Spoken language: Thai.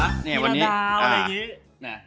ทีละดาวเมื่อกัน